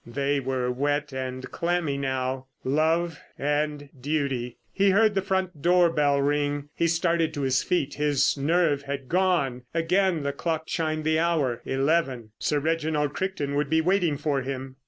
They were wet and clammy now. Love and Duty. He heard the front door bell ring. He started to his feet, his nerve had gone. Again the clock chimed the hour—eleven. Sir Reginald Crichton would be waiting for him.